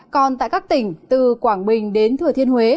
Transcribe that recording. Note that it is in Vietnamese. còn tại các tỉnh từ quảng bình đến sài gòn